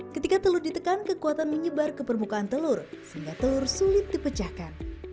ketika telur ditekan kekuatan menyebar ke permukaan telur sehingga telur sulit dipecahkan